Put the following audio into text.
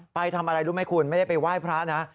ไปทำอะไรรู้ไหมคุณไม่ได้ไปไหว้พระนะ